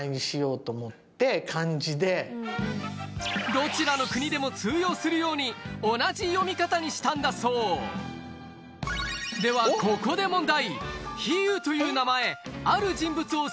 どちらの国でも通用するように同じ読み方にしたんだそうではここで問題！